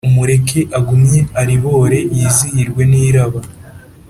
Umureke agumye aribore Yizihirwe n'iraba,